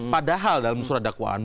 padahal dalam surat dakwaan